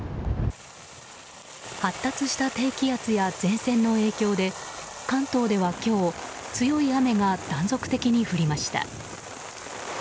発達した低気圧や前線の影響で関東では今日、強い雨が断続的に降りました。